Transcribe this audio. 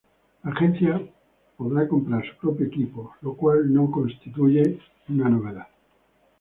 La Agencia podrá comprar su propio equipo, lo cual no constituye una novedad.